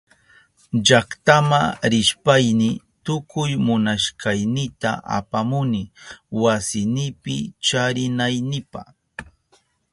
Llaktama rishpayni tukuy munashkaynita apamuni wasinipi charinaynipa.